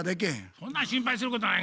そんなん心配することないがな。